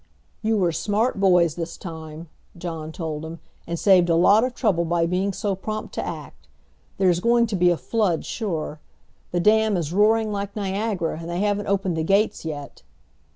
"You were smart boys this time," John told him, "and saved a lot of trouble by being so prompt to act. There is going to be a flood sure. The dam is roaring like Niagara, and they haven't opened the gates yet."